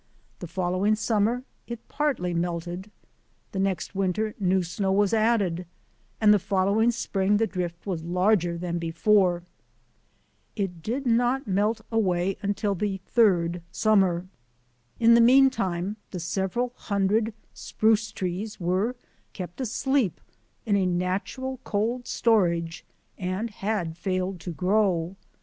The fol lowing summer it partly melted. The next winter new snow was added, and the following spring the drift was larger than before. It did not melt away until the third summer. In the meantime, the several hundred spruce trees were kept asleep in a natural cold storage and had failed to grow.